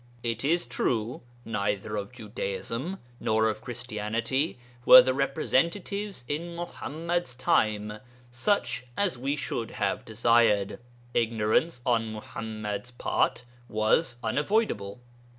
It is true, neither of Judaism nor of Christianity were the representatives in Muḥammad's time such as we should have desired; ignorance on Muḥammad's part was unavoidable.